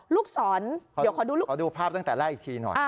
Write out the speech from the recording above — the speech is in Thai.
ลูกศรเดี๋ยวขอดูขอดูภาพตั้งแต่ล่ะอีกทีหน่อยอ่า